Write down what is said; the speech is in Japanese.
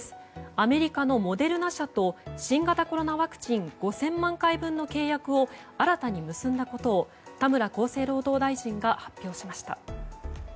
アメリカのモデルナ社と新型コロナワクチン５０００万回分の契約を新たに結んだことを田村厚生労働大臣が発表しました。